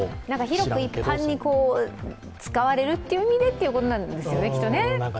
広く一般に使われるという意味でということなんですよね、きっとね。